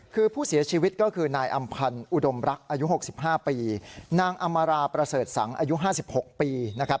คือผู้เสียชีวิตก็คือนายอำพันธ์อุดมรักอายุ๖๕ปีนางอำมาราประเสริฐสังอายุ๕๖ปีนะครับ